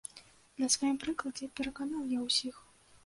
На сваім прыкладзе пераканаў я ўсіх.